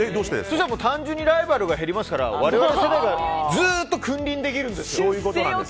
単純にライバルが減りますから我々はずっと君臨できるんですよ。